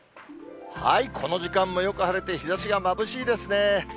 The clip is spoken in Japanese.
この時間もよく晴れて、日ざしがまぶしいですね。